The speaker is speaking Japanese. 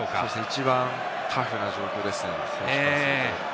一番タフな状況ですね。